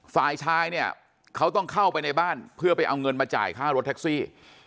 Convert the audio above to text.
ฝ่ายชายเนี่ยเขาต้องเข้าไปในบ้านเพื่อไปเอาเงินมาจ่ายค่ารถแท็กซี่